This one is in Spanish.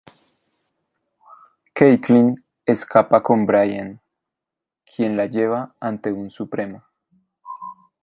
Caitlin escapa con Brian, quien la lleva ante un "Supremo".